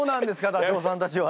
ダチョウさんたちは。